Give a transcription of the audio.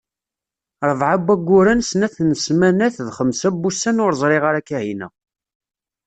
Rebɛa n wayyuren, snat n smanat d xemsa n wussan ur ẓriɣ ara Kahina.